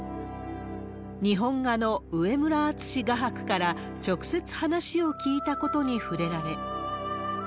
日本画の上村淳之画伯から直接話を聞いたことに触れられ。